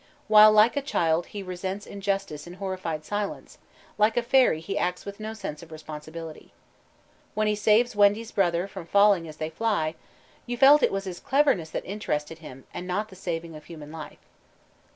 While like a child he resents injustice in horrified silence, like a fairy he acts with no sense of responsibility. When he saves Wendy's brother from falling as they fly, "You felt it was his cleverness that interested him, and not the saving of human life."